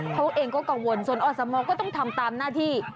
เขาเองก็กังวลส่วนอสมก็ต้องทำตามหน้าที่